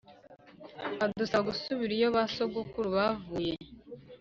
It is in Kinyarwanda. adusaba gusubira iyabasogokuru bavuye.